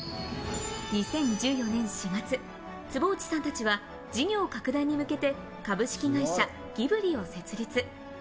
２０１４年４月、坪内さんたちは事業拡大に向けて株式会社ＧＨＩＢＬＩを設立。